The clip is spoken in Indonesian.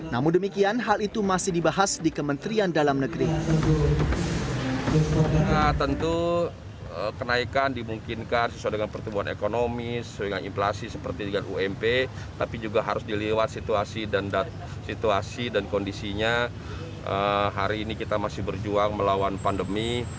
namun demikian hal itu masih dibahas di kementerian dalam negeri